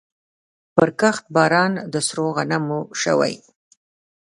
پرکښت باران د سرو غنمو شوی